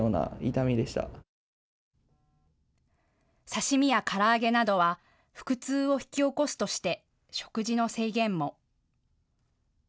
刺身やから揚げなどは腹痛を引き起こすとして食事の制限も。